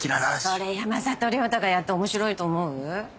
それ山里亮太がやって面白いと思う？